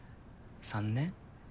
３年。